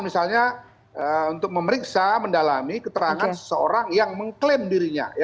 misalnya untuk memeriksa mendalami keterangan seseorang yang mengklaim dirinya